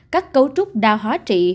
các cấu trúc đa hóa trị